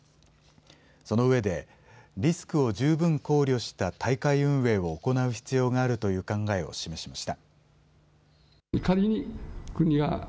そのうえでリスクを十分考慮した大会運営を行う必要があるという考えを示しました。